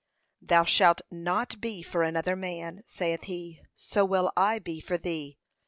'Thou shalt not be for another man' saith he, 'so will I be for thee.'